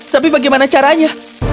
tapi bagaimana caranya